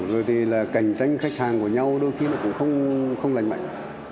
rồi thì là cạnh tranh khách hàng của nhau đôi khi nó cũng không lành mạnh